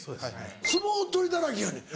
相撲取りだらけやねん。